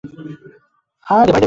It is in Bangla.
আর সাথে মেয়েটাও গায়েব।